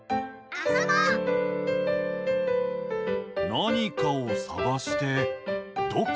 なにかをさがしてどこ？